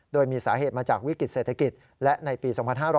โดยมีสาเหตุมาจากวิกฤติเศรษฐกิจและในปี๒๕๕๙